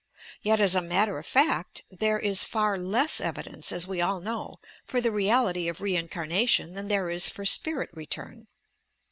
Yet, as a matter of fact, there is far less evidence, as we all know, for the reality of reincarnation than there is for spirit return.